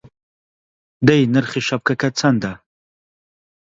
دەی نرخی شەپکەکەت چەندە!